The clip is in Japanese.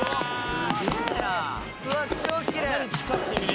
すげぇな！